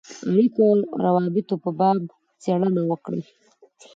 اړېکو او روابطو په باب څېړنه وکړي.